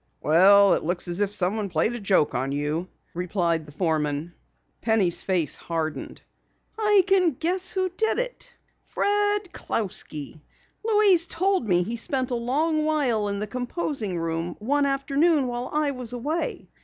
"Well, it looks as if someone played a joke on you," replied the foreman. Penny's face hardened. "I can guess who did it! Fred Clousky! Louise told me he spent a long while in the composing room one afternoon while I was away.